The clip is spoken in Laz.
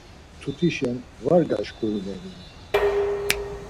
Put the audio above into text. Mtutişen var gaşkurineni?